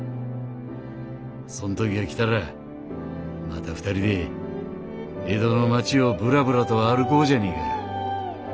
そん時が来たらまた２人で江戸の町をぶらぶらと歩こうじゃねえか。